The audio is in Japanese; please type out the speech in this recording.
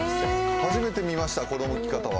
初めて見ました、このむき方は。